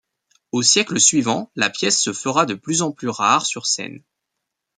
Aux siècles suivants, la pièce se fera de plus en plus rare sur scène.